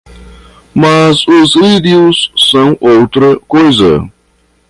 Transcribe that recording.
Mas os lírios são outra coisa.